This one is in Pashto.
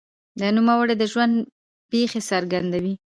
د نوموړي د ژوند پېښې څرګندوي.